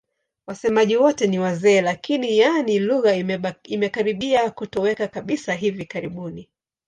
Wasemaji wote ni wazee lakini, yaani lugha imekaribia kutoweka kabisa hivi karibuni.